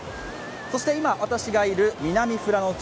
そして今、私がいる南富良野町